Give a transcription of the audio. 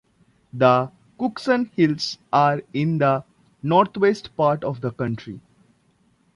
The Cookson Hills are in the northwest part of the county.